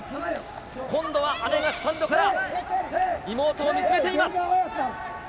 今度は姉がスタンドから妹を見つめています。